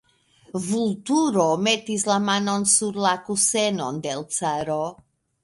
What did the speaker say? Vulturo metis la manon sur la kusenon de l' caro.